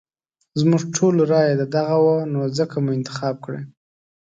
زموږ ټولو رايه ددغه وه نو ځکه مو انتخاب کړی.